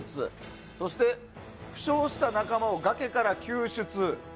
そして、負傷した仲間を崖から救出。